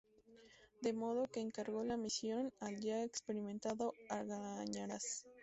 De modo que encargó la misión al ya experimentado Argañaraz.